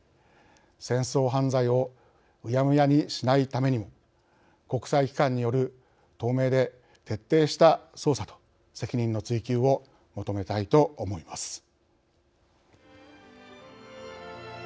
戦争犯罪をうやむやにしないためにも国際機関による透明で徹底した捜査と責任の追及を求めたいと思います。